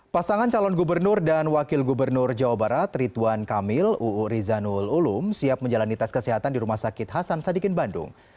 pasangan calon gubernur dan wakil gubernur jawa barat rituan kamil uu rizanul ulum siap menjalani tes kesehatan di rumah sakit hasan sadikin bandung